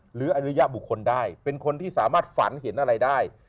หรืออริยบุคคลได้เป็นคนที่สามารถฝันเห็นอะไรได้